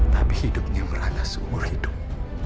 tapi hidupnya berada seumur hidup